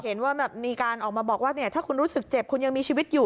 เห็นว่ามีการออกมาบอกว่าถ้าคุณรู้สึกเจ็บคุณยังมีชีวิตอยู่